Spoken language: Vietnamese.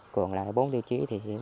còn lại bốn tiêu chí thì